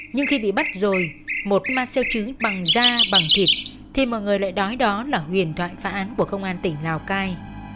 nhưng khi bị bắt rồi một marcel chứ bằng da bằng thịt thì mọi người lại đói đó là huyền thoại phá án của công an tỉnh lào cai